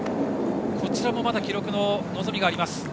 こちらもまだ記録の望みがあります。